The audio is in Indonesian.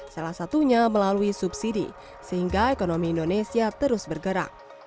salah satunya melalui subsidi sehingga ekonomi indonesia terus bergerak